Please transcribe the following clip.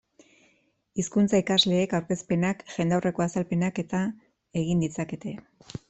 Hizkuntza ikasleek aurkezpenak, jendaurreko azalpenak eta egin ditzakete.